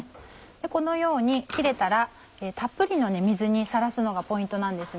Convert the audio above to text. このように切れたらたっぷりの水にさらすのがポイントなんです。